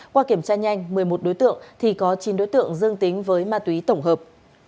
qua kiểm tra nhanh một mươi một đối tượng thì có chín đối tượng dương tính với ma túy tổng hợp